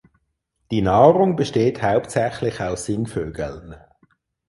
Die Nahrung besteht hauptsächlich aus Singvögeln.